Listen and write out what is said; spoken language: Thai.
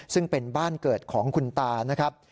ซึ่งเป็นบ้านเกิดของคุณตานะครับ